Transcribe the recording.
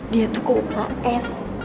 dia tuh ke uks